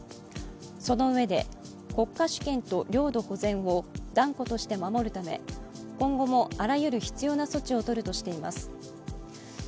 そのうえで国家主権と領土保全を断固として守るため今後もあらゆる必要な措置を取るとしています。